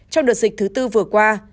trong đợt dịch thứ tư vừa qua